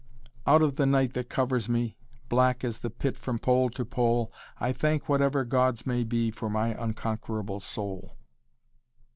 "Out of the night that covers me, Black as the pit from pole to pole, I thank whatever gods may be For my unconquerable soul.